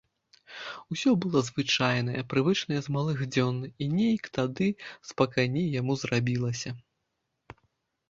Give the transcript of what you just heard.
Усё было звычайнае, прывычнае з малых дзён, і нейк тады спакайней яму зрабілася.